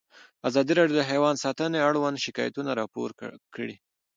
ازادي راډیو د حیوان ساتنه اړوند شکایتونه راپور کړي.